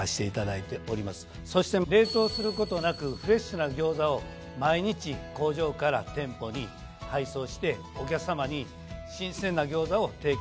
そして冷凍することなくフレッシュなギョーザを毎日工場から店舗に配送してお客さまに新鮮なギョーザを提供させていただいております。